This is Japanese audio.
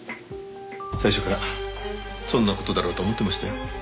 最初からそんな事だろうと思ってましたよ。